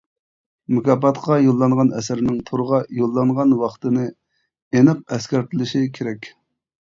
مۇكاپاتقا يوللانغان ئەسەرنىڭ تورغا يوللانغان ۋاقتىنى ئېنىق ئەسكەرتىلىشى كېرەك.